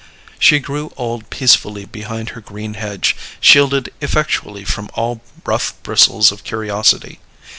She grew old peacefully behind her green hedge, shielded effectually from all rough bristles of curiosity.